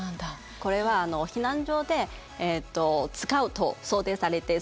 これは避難所で使うと想定されて作ったんです。